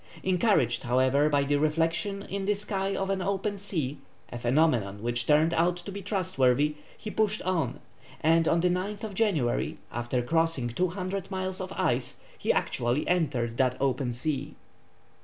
Encouraged, however, by the reflection in the sky of an open sea, a phenomenon which turned out to be trustworthy, he pushed on, and on the 9th January, after crossing 200 miles of ice he actually entered that open sea!